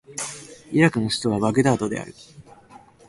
イラクの首都はバグダードである